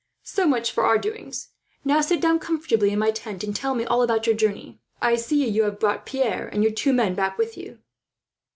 "So much for our doings; now sit down comfortably in my tent, and tell me all about your journey. I see you have brought Pierre and your two men back with you."